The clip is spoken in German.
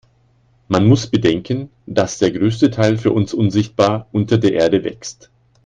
Man muss bedenken, dass der größte Teil für uns unsichtbar unter der Erde wächst.